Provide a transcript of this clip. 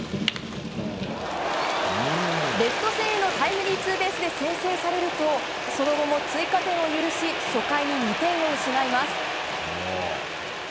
レフト線へのタイムリーツーベースで先制されるとその後も追加点を許し初回に２点を失います。